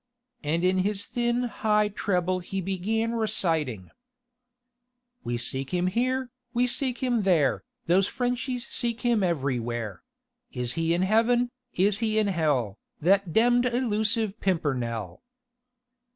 And in his thin high treble he began reciting: "We seek him here; We seek him there! Those Frenchies seek him everywhere. Is he in heaven? Is he in h ll? That demmed elusive Pimpernel?"